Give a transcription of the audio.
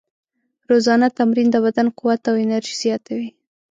روزانه تمرین د بدن قوت او انرژي زیاتوي.